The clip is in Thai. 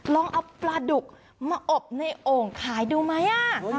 ลองเอาปลาดุกมาอบในโอ่งขายดูไหม